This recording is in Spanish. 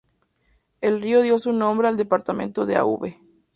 El río dio su nombre al departamento de Aube.